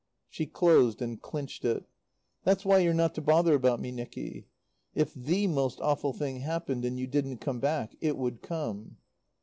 She closed and clinched it. "That's why you're not to bother about me, Nicky. If the most awful thing happened, and you didn't come back, It would come."